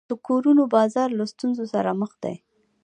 د کورونو بازار له ستونزو سره مخ دی.